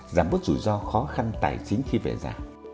giảm bớt rủi ro khó khăn tài chính khi về giảm